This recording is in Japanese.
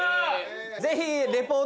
ぜひ。